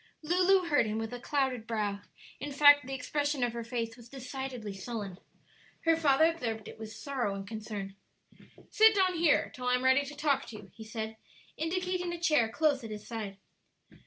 Lulu heard him with a clouded brow; in fact, the expression of her face was decidedly sullen. Her father observed it with sorrow and concern. "Sit down here till I am ready to talk to you," he said, indicating a chair close at his side.